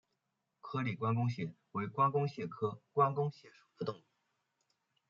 颗粒关公蟹为关公蟹科关公蟹属的动物。